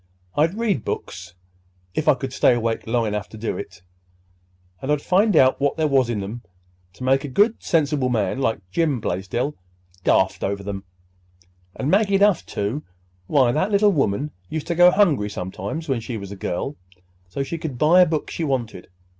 "I'd read books—if I could stay awake long enough to do it—and I'd find out what there was in 'em to make a good sensible man like Jim Blaisdell daft over 'em—and Maggie Duff, too. Why, that little woman used to go hungry sometimes, when she was a girl, so she could buy a book she wanted.